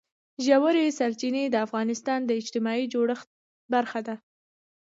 ژورې سرچینې د افغانستان د اجتماعي جوړښت برخه ده.